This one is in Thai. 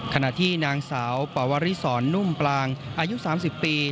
ขณะที่นางสาวปวริสรนุ่มปลางอายุ๓๐ปี